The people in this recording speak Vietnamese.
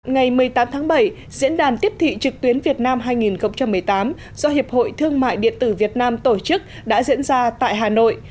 ngày một mươi tám tháng bảy diễn đàn tiếp thị trực tuyến việt nam hai nghìn một mươi tám do hiệp hội thương mại điện tử việt nam tổ chức đã diễn ra tại hà nội